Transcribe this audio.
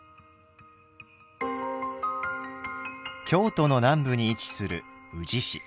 京都の南部に位置する宇治市。